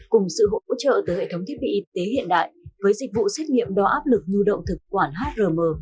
cùng sự hỗ trợ từ hệ thống thiết bị y tế hiện đại với dịch vụ xét nghiệm đo áp lực nhu động thực quản hrm